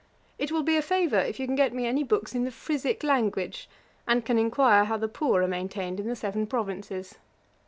It will be a favour if you can get me any books in the Frisick language, and can enquire how the poor are maintained in the Seven Provinces.